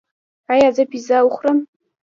ایا زه پیزا وخورم؟